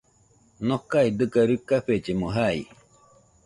Nokae dɨga ruikafellemo jai